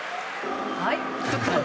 はい。